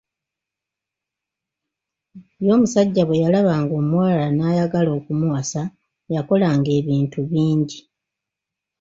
Ye omusajja bwe yalabanga omuwala n’ayagala okumuwasa, yakolanga ebintu bingi.